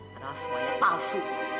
padahal semuanya palsu